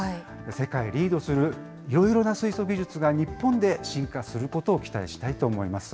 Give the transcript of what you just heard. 世界をリードするいろいろな水素技術が日本で進化することを期待したいと思います。